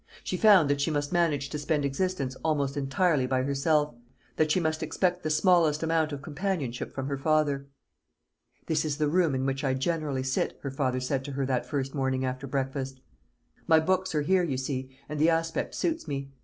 She found that she must manage to spend existence almost entirely by herself that she must expect the smallest amount of companionship from her father. "This is the room in which I generally sit," her father said to her that first morning after breakfast; "my books are here, you see, and the aspect suits me.